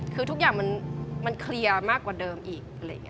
คือทุกอย่างมันเคลียร์มากกว่าเดิมอีก